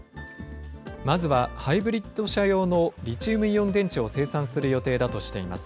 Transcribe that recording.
まずはハイブリッド車用のリチウムイオン電池を生産する予定だとしています。